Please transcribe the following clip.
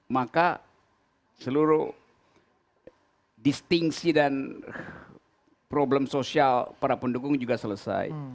maka seluruh distingsi dan problem sosial para pendukung juga selesai